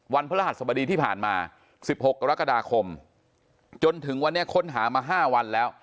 พระรหัสสบดีที่ผ่านมา๑๖กรกฎาคมจนถึงวันนี้ค้นหามา๕วันแล้ว